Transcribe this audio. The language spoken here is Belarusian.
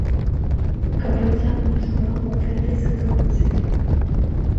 Каб адцягнуць увагу ад гэтай сітуацыі.